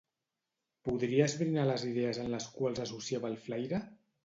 Podria esbrinar les idees en les quals associava el flaire?